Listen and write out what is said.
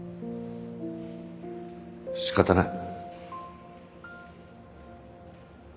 仕方ない。